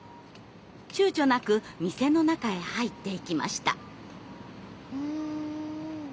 躊躇なく店の中へ入っていきました。